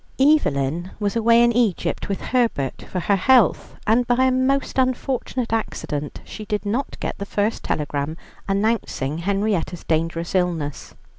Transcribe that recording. Evelyn was away in Egypt with Herbert for her health, and by a most unfortunate accident she did not get the first telegram announcing Henrietta's dangerous illness.